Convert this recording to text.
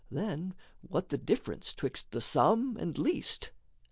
Then what the difference 'twixt the sum and least?